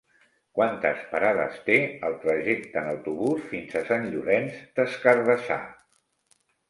Quantes parades té el trajecte en autobús fins a Sant Llorenç des Cardassar?